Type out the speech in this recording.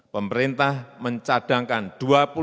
pemerintah mencari pemerintahan tersebut